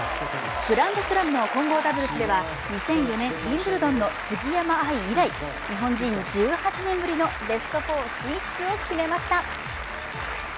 グランドスラムの混合ダブルスでは２００４年、ウィンブルドンの杉山愛以来、日本人１８年ぶりのベスト４進出を決めました。